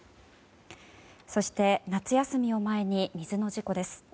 そして夏休みを前に水の事故です。